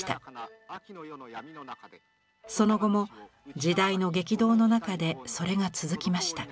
その後も時代の激動の中でそれが続きました。